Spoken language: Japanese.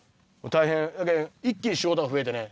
大変やけん一気に仕事が増えてね。